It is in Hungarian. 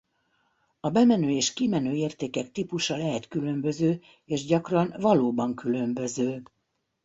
A bemenő és kimenő értékek típusa lehet különböző és gyakran valóban különböző.